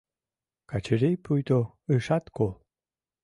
Качырий пуйто ышат кол.